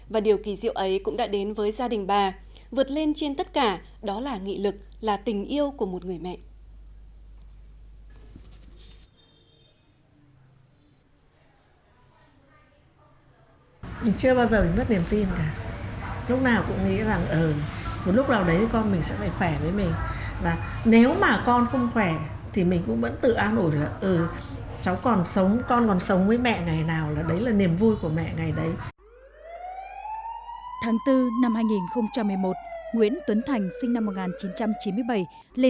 và điều kỳ diệu ấy cũng đã đến với gia đình bà vượt lên trên tất cả đó là nghị lực là tình yêu của một người mẹ